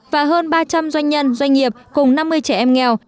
và hơn ba trăm linh doanh nhân doanh nghiệp cùng năm mươi trẻ em nghèo